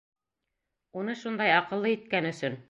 Уны шундай аҡыллы иткән өсөн!